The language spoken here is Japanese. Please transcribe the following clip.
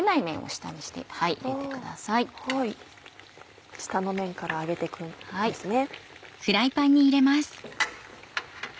下の面から揚げて行くんですね。